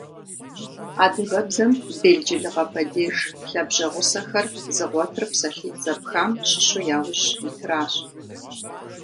Адыгэбзэм белджылыгъэ падеж лъабжьэгъусэхэр зыгъуэтыр псалъитӏ зэпхам щыщу яужь итращ.